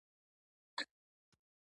د تګاب انار هم ډیر مشهور دي.